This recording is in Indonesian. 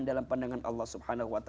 dalam pandangan allah swt